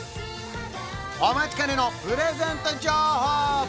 お待ちかねのプレゼント情報